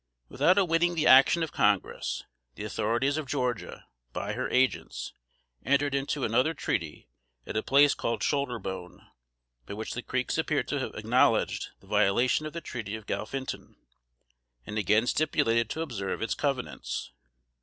] Without awaiting the action of Congress, the authorities of Georgia, by her agents, entered into another treaty, at a place called "Shoulderbone," by which the Creeks appear to have acknowledged the violation of the Treaty of Galphinton, and again stipulated to observe its covenants.